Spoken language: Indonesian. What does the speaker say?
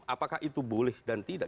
apakah itu boleh dan tidak